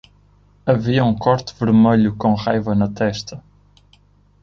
Havia um corte vermelho com raiva na testa.